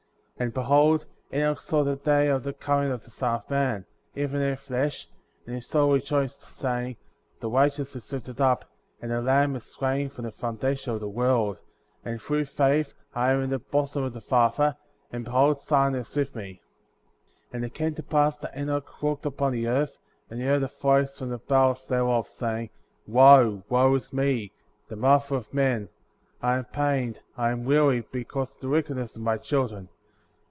47. And behold, Enoch saw the day of the coming of the Son of Man,"' even in the flesh f and his soul rejoiced, sa3ring : The Righteous is lifted up, and the Lamb is slain from the foundation of the world; and through faith I am in the bosom of the Father, and behold, Zion is with me.*' 48. And it came to pass that Enoch looked upon the earth; and he heard a voice^ from the bowels thereof, saying: Wo, wo is me,* the mother of men; I am pained, I am weary, because of the wickedness of my children.